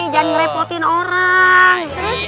jangan merepotin orang